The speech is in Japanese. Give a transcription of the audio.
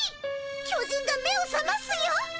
巨人が目をさますよ。